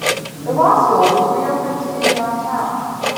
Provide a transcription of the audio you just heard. The law school was reopened in downtown.